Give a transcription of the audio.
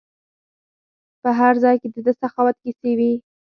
په هر ځای کې د ده سخاوت کیسې وي.